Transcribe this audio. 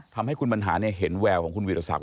ทำให้คุณบัญหาศุรปเห็นแววของวิรสัตว์